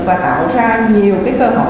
và tạo ra nhiều cơ hội